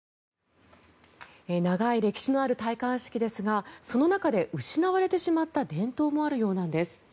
長い歴史のある戴冠式ですがその中で失われてしまった伝統もあるようなんです。